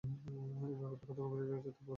এ ব্যাপারটা কত গভীরে গেছে তা ভাবতেও পারবেন না।